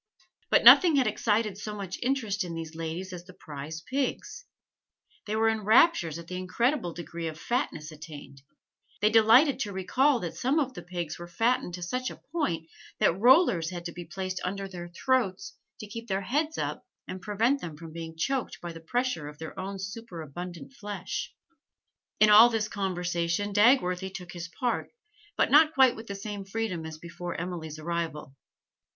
But nothing had excited so much interest in these young ladies as the prize pigs; they were in raptures at the incredible degree of fatness attained; they delighted to recall that some of the pigs were fattened to such a point that rollers had to be placed under their throats to keep their heads up and prevent them from being choked by the pressure of their own superabundant flesh. In all this conversation Dagworthy took his part, but not quite with the same freedom as before Emily's arrival.